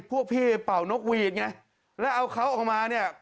พวกพี่เป่านกหวีดไงแล้วเอาเขาออกมาเนี่ย